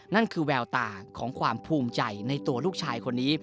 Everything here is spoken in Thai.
นั่นคือแววตาของความภูมิใจในตัวลูกชายคนนี้